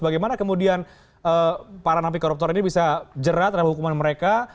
bagaimana kemudian para napi koruptor ini bisa jerat terhadap hukuman mereka